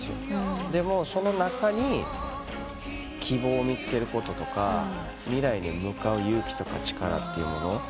でもその中に希望を見つけることとか未来へ向かう勇気とか力っていうもの。